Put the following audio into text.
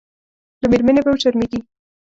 له مېرمنې به وشرمېږي.